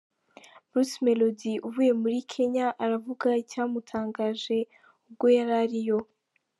Bruce Melody uvuye muri Kenya aravuga icyamutangaje ubwo yarariyo.